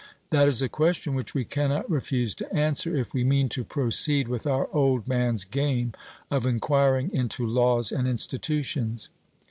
That is a question which we cannot refuse to answer, if we mean to proceed with our old man's game of enquiring into laws and institutions.